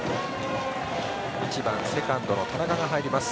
１番セカンドの田中が入ります